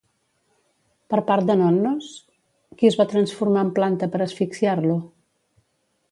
Per part de Nonnos, qui es va transformar en planta per asfixiar-lo?